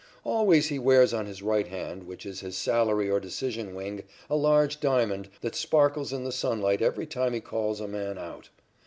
Always he wears on his right hand, which is his salary or decision wing, a large diamond that sparkles in the sunlight every time he calls a man out.